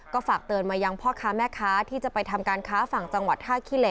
ก็ฝากเตือนมายังพ่อค้าแม่ค้าที่จะไปทำการค้าฝั่งจังหวัดท่าขี้เล